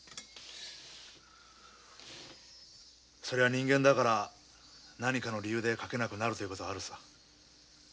そりゃ人間だから何かの理由で描けなくなるということはあるさ。